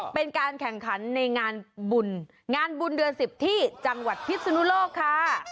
เป็นการแข่งขันในงานบุญงานบุญเดือน๑๐ที่จังหวัดพิศนุโลกค่ะ